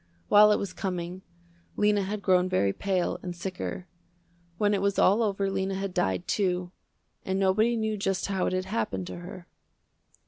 While it was coming, Lena had grown very pale and sicker. When it was all over Lena had died, too, and nobody knew just how it had happened to her.